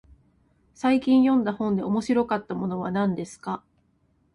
最近読んだ本で面白かったものは何ですか。